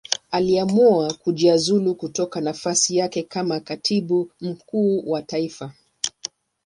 Aliamua kujiuzulu kutoka nafasi yake kama Katibu Mkuu wa Taifa.